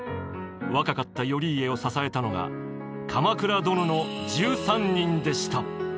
若かった頼家を支えたのが鎌倉殿の１３人でした。